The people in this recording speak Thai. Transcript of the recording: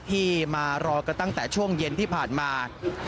ที่มารอกันตั้งแต่ช่วงเย็นที่ผ่านมา